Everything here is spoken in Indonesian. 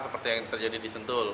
seperti yang terjadi di sentul